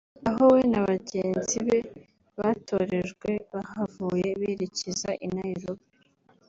Aho we na bagenzi be batorejwe bahavuye berekeza i Nairobi